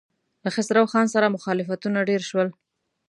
له خسرو خان سره مخالفتونه ډېر شول.